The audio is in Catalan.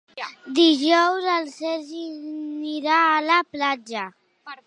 Dijous en Sergi anirà a la platja.